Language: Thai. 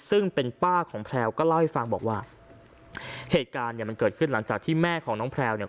ซึ่งเป็นป้าของแพลวก็เล่าให้ฟังบอกว่าเหตุการณ์เนี่ยมันเกิดขึ้นหลังจากที่แม่ของน้องแพลวเนี่ย